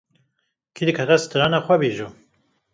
Kê dikare strana xwe bêje